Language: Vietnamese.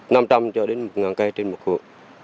năm trăm cho đến một ngàn cây trên một hộ